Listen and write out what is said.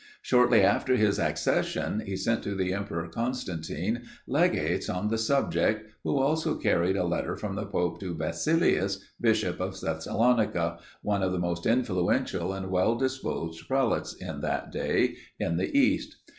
Shortly after his accession, he sent to the Emperor Constantine legates on the subject, who also carried a letter from the pope to Basilius, bishop of Thessalonica, one of the most influential and well disposed prelates, at that day, in the east.